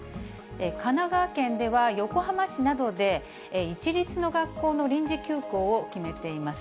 神奈川県では横浜市などで、市立の学校の臨時休校を決めています。